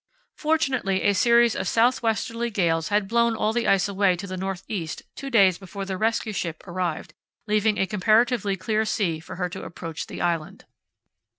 Fortunately a series of south westerly gales had blown all the ice away to the north east two days before the rescue ship arrived, leaving a comparatively clear sea for her to approach the island.